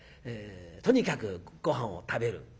とにかくごはんを食べる。